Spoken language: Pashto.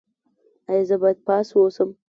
ایا زه باید پاس اوسم؟